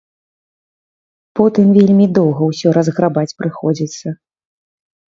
Потым вельмі доўга ўсё разграбаць прыходзіцца.